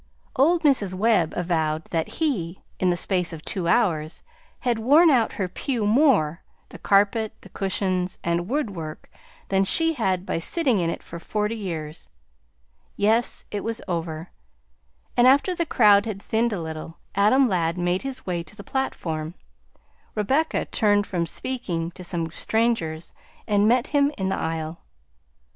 Old Mrs. Webb avowed that he, in the space of two hours, had worn out her pew more the carpet, the cushions, and woodwork than she had by sitting in it forty years. Yes, it was over, and after the crowd had thinned a little, Adam Ladd made his way to the platform. Rebecca turned from speaking to some strangers and met him in the aisle.